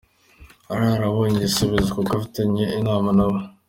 ararara abonye igisubizo kuko afitanye inama nabo.